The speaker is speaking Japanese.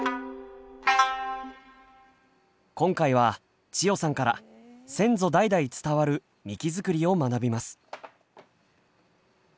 今回は千代さんから先祖代々伝わるみき作りを学びます。